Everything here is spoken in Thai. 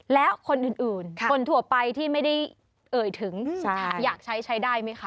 แล้วคนอื่นคนทั่วไปที่ไม่ได้เอ่ยถึงอยากใช้ใช้ได้ไหมคะ